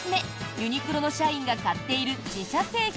ユニクロの社員が買っている自社製品